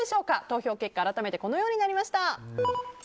投票結果、改めてこのようになりました。